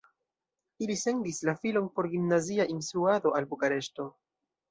Ili sendis la filon por gimnazia instruado al Bukareŝto.